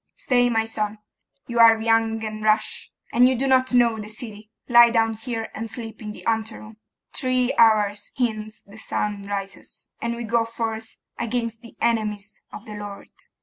'Stay, my son; you are young and rash, and do not know the city. Lie down here and sleep in the anteroom. Three hours hence the sun rises, and we go forth against the enemies of the Lord.